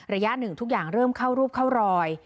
ระยะหนึ่งทุกอย่างเริ่มเข้ารูปเข้ารอย